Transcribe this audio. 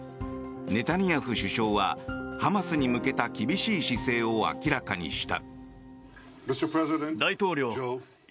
ネタニヤフ首相はハマスに向けた厳しい姿勢を明らかにした。